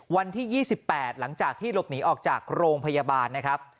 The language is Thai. วันที่๒๘หลังจากที่หลบหนีออกจากโรงพยาบาลนะครับ